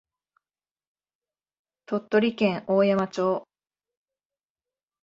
鳥取県大山町